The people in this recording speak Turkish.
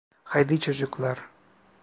Haydi çocuklar.